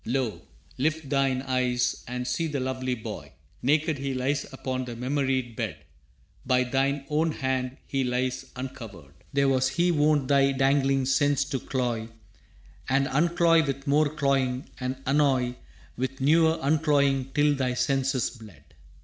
Lo, lift thine eyes and see the lovely boy! Naked he lies upon that memoried bed; By thine own hand he lies uncovered. There was he wont thy dangling sense to cloy, And uncloy with more cloying, and annoy With newer uncloying till thy senses bled.